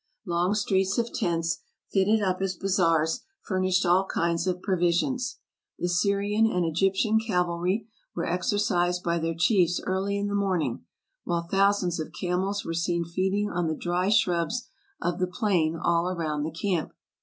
Long streets of tents, fitted up as bazaars, furnished all kinds of provisions. The Syrian and Egyptian cavalry were exercised by their chiefs early in the morning, while thousands of camels were seen feeding on the dry shrubs of the plain all around the camp.